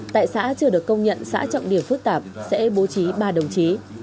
tại xã chưa được công nhận xã trọng điểm phức tạp sẽ bố trí ba đồng chí